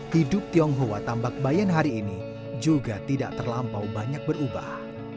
hidup tionghoa tambak bayan hari ini juga tidak terlampau banyak berubah